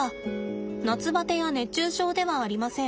夏バテや熱中症ではありません。